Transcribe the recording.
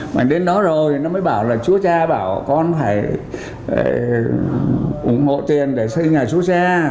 mà đến đó rồi nó mới bảo là chúa cha bảo con phải ủng hộ tiền để xây nhà chú cha